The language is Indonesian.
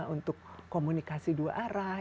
untuk komunikasi dua arah